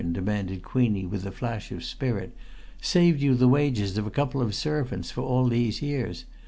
demanded Queenie with a flash of spirit. "Saved you the wages of a couple of servants for all these years!